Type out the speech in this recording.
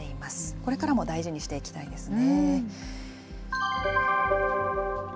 これからも大事にしていきたいですね。